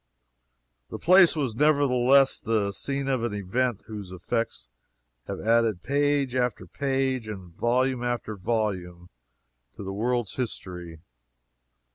The place was nevertheless the scene of an event whose effects have added page after page and volume after volume to the world's history.